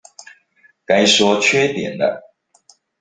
該說缺點了